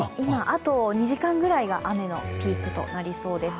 あと２時間くらいが雨のピークとなりそうです。